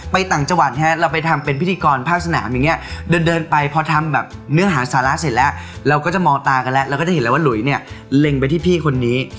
ต่างจังหวัดฮะเราไปทำเป็นพิธีกรภาคสนามอย่างนี้เดินเดินไปพอทำแบบเนื้อหาสาระเสร็จแล้วเราก็จะมองตากันแล้วเราก็จะเห็นแล้วว่าหลุยเนี่ยเล็งไปที่พี่คนนี้